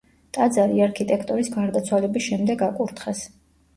ტაძარი არქიტექტორის გარდაცვალების შემდეგ აკურთხეს.